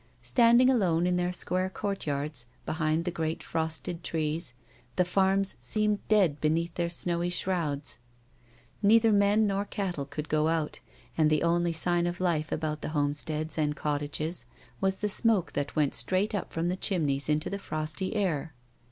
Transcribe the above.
Standing alone in their square courtyards, behind the great frosted trees, the farms seemed dead beneath their snowy shrouds. Neither men nor cattle could go out, and the only sign of life about the homesteads and cottages was the smoke that went straight up from the chimueys into the frosty air.